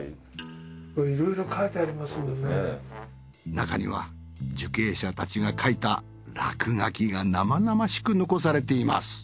中には受刑者たちが書いた落書きが生々しく残されています。